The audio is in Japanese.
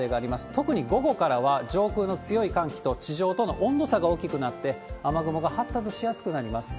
特に午後からは、上空の強い寒気と地上との温度差が大きくなって、雨雲が発達しやすくなります。